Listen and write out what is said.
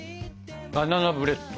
バナナブレッド。